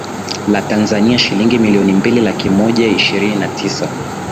la Tanzania shilingi milioni mbili laki moja ishirini na tisa